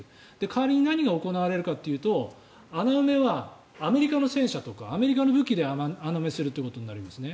代わりに何が行われるかというと穴埋めはアメリカの戦車とかアメリカの武器で穴埋めすることになりますね。